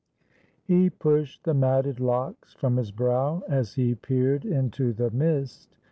] He pushed the matted locks from his brow, as he peered into the mist.